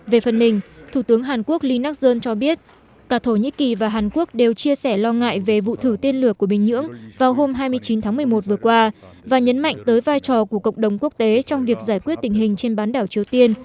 về phần mình thủ tướng hàn quốc lee nakhon cho biết cả thổ nhĩ kỳ và hàn quốc đều chia sẻ lo ngại về vụ thử tên lửa của bình nhưỡng vào hôm hai mươi chín tháng một mươi một vừa qua và nhấn mạnh tới vai trò của cộng đồng quốc tế trong việc giải quyết tình hình trên bán đảo triều tiên